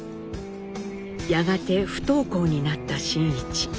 やがて不登校になった真一。